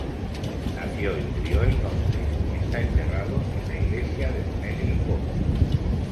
Nació y murió en Londres, y está enterrado en la Iglesia de Marylebone.